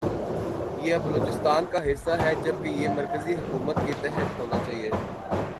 یہ اب بلوچستان کا حصہ ھے جبکہ یہ مرکزی حکومت کے تحت ھوناچاھیے۔